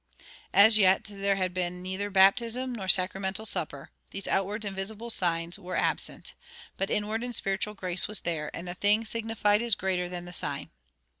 As yet there had been neither baptism nor sacramental supper; these outward and visible signs were absent; but inward and spiritual grace was there, and the thing signified is greater than the sign.